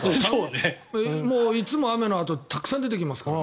もういつも雨のあとたくさん出てきますから。